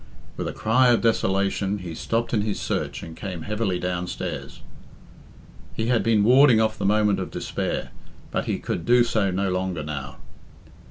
With a cry of desolation he stopped in his search and came heavily downstairs. He had been warding off the moment of despair, but he could do so no longer now.